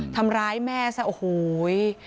ทำร้ายแม่ซะโอ้โห